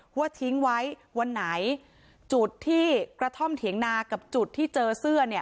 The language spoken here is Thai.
ว่าทิ้งไว้วันไหนจุดที่กระท่อมเถียงนากับจุดที่เจอเสื้อเนี่ย